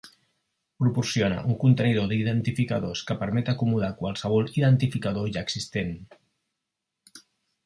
Proporciona un contenidor d'identificadors que permet acomodar qualsevol identificador ja existent.